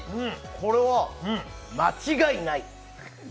これは間違いない。